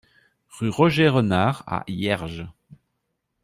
Rue Roger Renard à Hierges